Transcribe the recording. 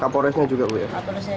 kapolresnya juga dipecat